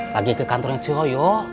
lagi ke kantornya ce hoyo